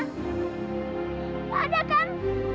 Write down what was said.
nggak ada kan